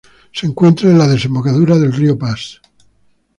Se encuentra en la desembocadura del río Pas.